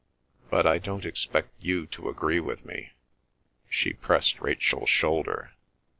But I don't expect you to agree with me!" She pressed Rachel's shoulder.